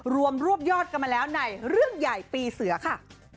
รวมรวบยอดกันมาแล้วในเรื่องใหญ่ปีเสือค่ะ